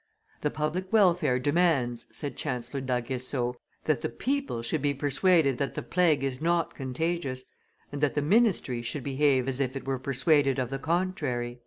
"The public welfare demands," said Chancellor d'Aguesseau, "that the people should be persuaded that the plague is not contagious, and that the ministry should behave as if it were persuaded of the contrary."